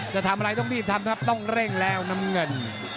จะทำอะไรต้องรีบทำครับต้องเร่งแล้วน้ำเงิน